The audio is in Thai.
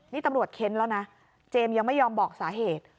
นี่ตำรวจเค้นแล้วนะเจมส์ยังไม่ยอมบอกสาเหตุ